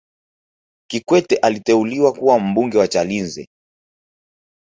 kikwete aliteuliwa kuwa mbunge wa chalinze